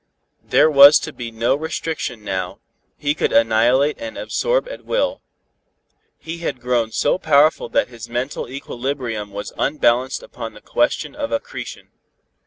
There was to be no restriction now, he could annihilate and absorb at will. He had grown so powerful that his mental equilibrium was unbalanced upon the question of accretion.